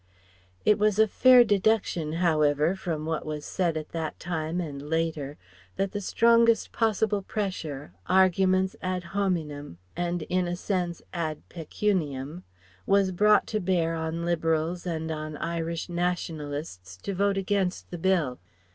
It was a fair deduction, however, from what was said at that time and later, that the strongest possible pressure arguments ad hominem and in a sense ad pecuniam was brought to bear on Liberals and on Irish Nationalists to vote against the Bill.